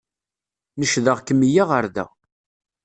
Necdeɣ-kem iyya ɣer da.